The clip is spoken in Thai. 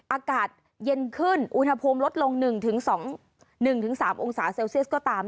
อากาศเย็นขึ้นอุณหภูมิลดลง๑๒๑๓องศาเซลเซียสก็ตาม